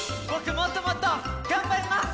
もっともっとがんばります！